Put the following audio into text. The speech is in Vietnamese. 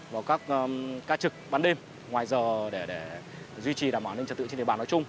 vào các ca trực ban đêm ngoài giờ để duy trì đảm bảo an ninh trật tự trên địa bàn nói chung